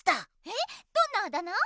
えっどんなあだ名？